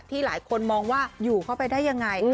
หลายคนมองว่าอยู่เข้าไปได้ยังไง